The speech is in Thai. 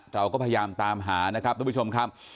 เราก็พยายามตามหานะครับทุกผู้ชมครับ